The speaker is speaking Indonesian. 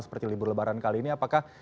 seperti libur lebaran kali ini apakah